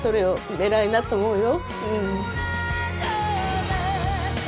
偉いなと思うよ。